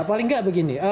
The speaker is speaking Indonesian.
ya paling tidak begini